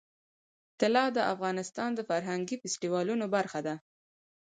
طلا د افغانستان د فرهنګي فستیوالونو برخه ده.